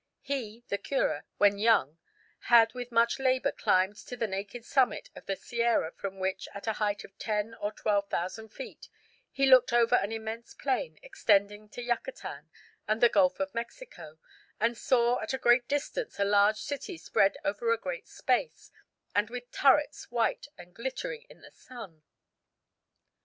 He (the cura) when young "had with much labour climbed to the naked summit of the sierra from which, at a height of ten or twelve thousand feet, he looked over an immense plain extending to Yucatan and the Gulf of Mexico, and saw at a great distance a large city spread over a great space, and with turrets white and glittering in the sun."